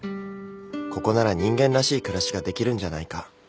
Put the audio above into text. ここなら人間らしい暮らしができるんじゃないか。